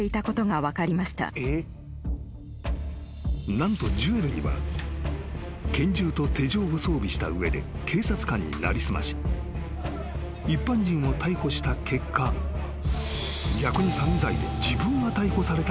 ［何とジュエルには拳銃と手錠を装備した上で警察官に成り済まし一般人を逮捕した結果逆に詐欺罪で自分が逮捕された過去があった］